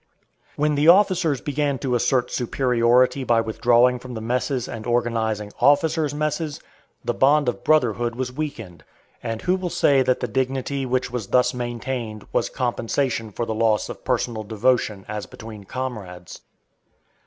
When the officers began to assert superiority by withdrawing from the messes and organizing "officers' messes," the bond of brotherhood was weakened; and who will say that the dignity which was thus maintained was compensation for the loss of personal devotion as between comrades?